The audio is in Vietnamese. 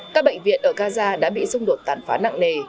các bệnh viện ở gaza đã bị xung đột tàn phá nặng nề